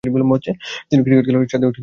তিনি ক্রিকেট খেলার সাথে জড়িত হয়ে পড়েন।